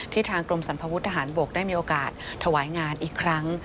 ทางกรมสัมภวุฒิทหารบกได้มีโอกาสถวายงานอีกครั้ง